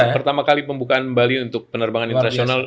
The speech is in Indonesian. dan pertama kali pembukaan bali untuk penerbangan internasional